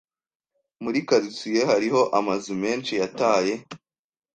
Muri quartier hariho amazu menshi yataye